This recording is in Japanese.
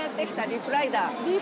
リップライダー？